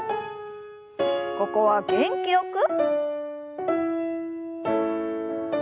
ここは元気よく。